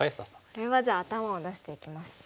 これはじゃあ頭を出していきます。